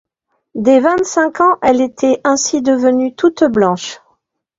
Dès vingt-cinq ans, elle était ainsi devenue toute blanche.